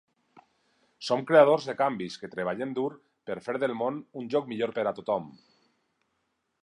Som creadors de canvis que treballem dur per fer del món un lloc millor per a tothom.